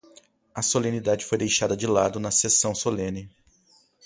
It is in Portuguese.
A solenidade foi deixada de lado na sessão solene